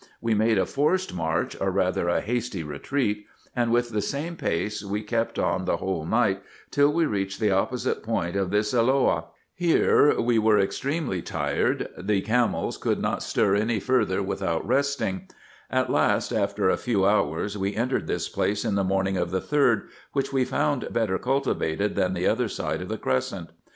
We made a forced march, or rather a hasty retreat, and with the same pace we kept on the whole night, till we reached the opposite point of this Elloah : here we were extremely tired ; the camels could not stir any further without resting: at last, after a few hours, we entered this place in the morning of the 3d, which we found better cultivated than the other side of the crescent.